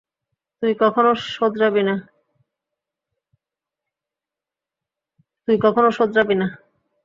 তুই কখনও শোধরাবি না।